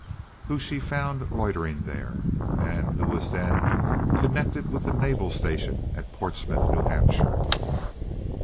whom she found loitering there, and who was then connected with the naval station at Portsmouth, New Hampshire.